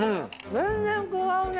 全然違うね。